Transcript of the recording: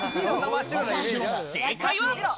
正解は。